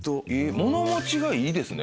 物持ちがいいですね